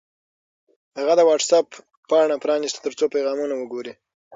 هغه د وټس-اپ پاڼه پرانیسته ترڅو پیغامونه وګوري.